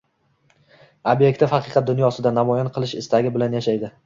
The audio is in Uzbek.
“ob’ektiv haqiqat dunyosida” namoyon qilish istagi bilan yashaydi